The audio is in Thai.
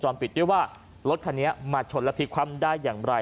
ไม่ได้ว่ารถคันนี้มาเชินรับีความได้อย่างไร